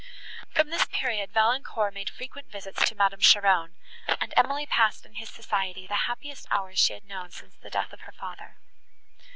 From this period Valancourt made frequent visits to Madame Cheron, and Emily passed in his society the happiest hours she had known since the death of her father.